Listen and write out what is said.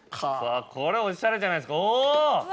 これおしゃれじゃないですかお！